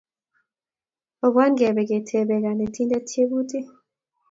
Opwan kebe ketebe kanetindet tyebutik